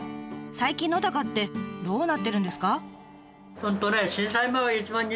最近の小高ってどうなってるんですか？